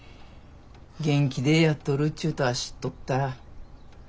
元気でやっとるちゅうとは知っとった。